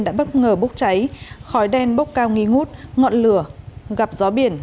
đã bất ngờ bốc cháy khói đen bốc cao nghi ngút ngọn lửa gặp gió biển